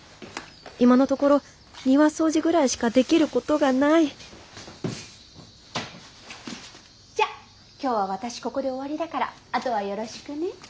今のところ庭掃除ぐらいしかできることがないじゃあ今日は私ここで終わりだからあとはよろしくね。